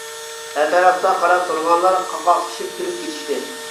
ئەتراپتا قاراپ تۇرغانلار قاقاقلىشىپ كۈلۈپ كېتىشتى.